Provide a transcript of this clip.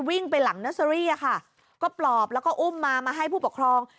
วิ่งไปหลังเนอร์เซอรี่อะค่ะก็ปลอบแล้วก็อุ้มมามาให้ผู้ปกครอง